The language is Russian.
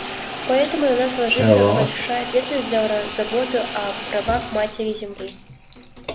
Поэтому на нас ложится большая ответственность за заботу о правах Матери-Земли.